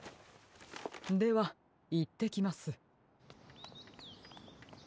ではいってきます。